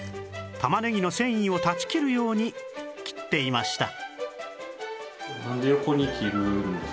玉ねぎの繊維を断ち切るように切っていました